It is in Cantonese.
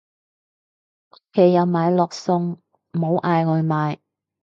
屋企有買落餸，冇嗌外賣